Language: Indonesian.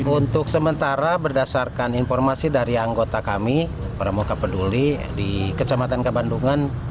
untuk sementara berdasarkan informasi dari anggota kami pramuka peduli di kecamatan kebandungan